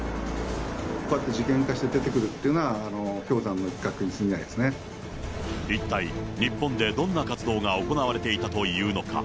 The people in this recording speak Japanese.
こうやって事件化して出てくるっていうのは、一体、日本でどんな活動が行われていたというのか。